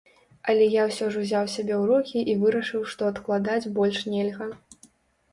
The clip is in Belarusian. Але я ўсё ж узяў сябе ў рукі і вырашыў, што адкладаць больш нельга.